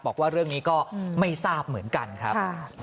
บอกว่าเรื่องนี้ก็ไม่ทราบเหมือนกันครับ